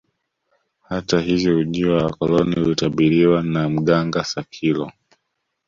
Hata hivyo ujio wa wakoloni ulitabiriwa na mganga Sakilo